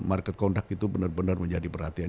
market conduct itu benar benar menjadi perhatian